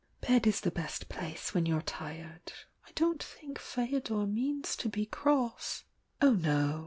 "Bed is the best place when you're tired. I don't think Feodor means to be cross " "Oh, no!"